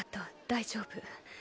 大丈夫。